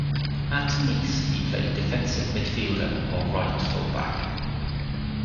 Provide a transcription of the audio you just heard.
At Nice, he played defensive midfielder or right fullback.